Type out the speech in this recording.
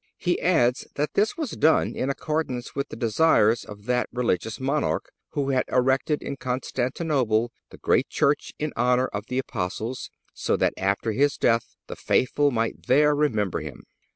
He adds that this was done in accordance with the desires of that religious monarch, who had erected in Constantinople the great church in honor of the Apostles, so that after his death the faithful might there remember him.